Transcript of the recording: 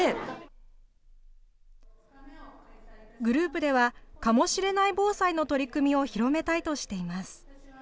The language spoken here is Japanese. グループではかもしれない防災の取り組みを広めたいとしています。